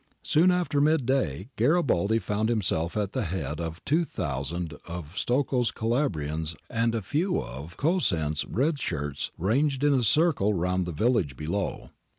Soon after midday Garibaldi found himself at the head of 2000 of Stocco's Calabrians and a few of Cosenz' red shirts ranged in a circle round the village below.